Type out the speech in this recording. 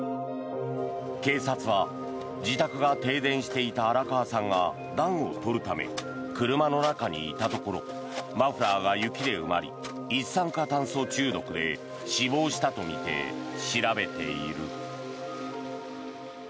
警察は自宅が停電していた荒川さんが暖を取るため車の中にいたところマフラーが雪で埋まり一酸化炭素中毒で死亡したとみて調べている。